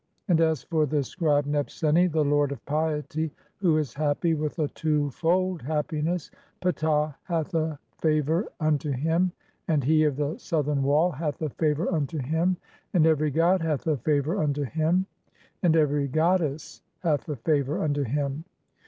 And as for the scribe Nebseni, the lord of piety, who "is happy with a two fold happiness, (5) Ptah hath a favour "unto him, and He of the Southern Wall hath a favour unto "him, and every god hath a favour unto him, and every god "dess hath a favour unto him.